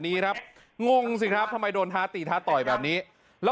นี่ล่ะครับคุณผู้ชมมันจะเกิดปัญหาตรงนี้แหละ